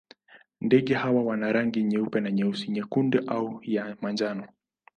Ndege hawa wana rangi nyeupe na nyeusi, nyekundu au ya manjano.